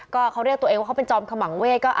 ก็เขาเรียกตัวเองว่าเขาเป็นจอมขมังเวท